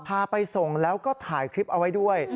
พาไปส่งแล้วก็ถ่ายคลิปเอาไว้ด้วย